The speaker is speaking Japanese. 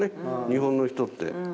日本の人って。